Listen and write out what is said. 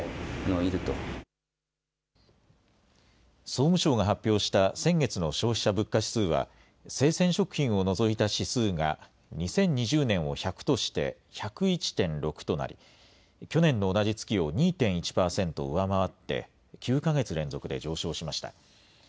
総務省が発表した先月の消費者物価指数は、生鮮食品を除いた指数が、２０２０年を１００として１０１．６となり、去年の同じ月を２．１％上回って、９か月連続で上昇しました。